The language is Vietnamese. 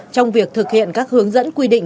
trong việc thực hiện các hướng dẫn quy định